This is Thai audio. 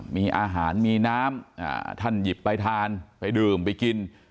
มีอาหารมีน้ำท่านหยิบไปทานไปดื่มไปกิน